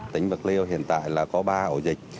tỉnh bạc liêu hiện tại là có ba ổ dịch